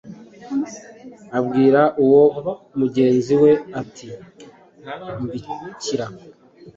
abwira uwo mugenzi we ati: “Mbikira